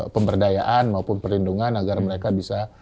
pemberdayaan maupun perlindungan agar mereka bisa